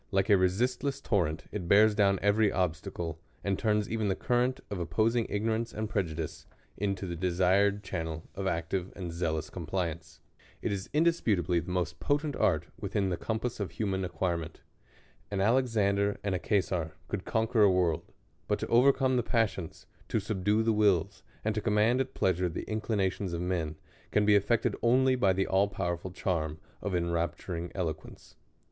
Like a resistless torrent, it bears down every obstacle, and turns even the current of opposing ignorance and prejudice? ^2 THE Columbian orator. prejudice into the desired channel of active and zealous compliance. It is indisputably the most potent art with in the compass of human acquirement. An Alexander and a Cesar could conquer a world ; but to overcome the passions, to subdue the wills, and to command at pleasure the inclinations of men, can be effected only by the all powerful charm of enrapturing eloquence.